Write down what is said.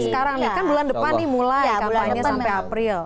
kan bulan depan nih mulai kampanye sampai april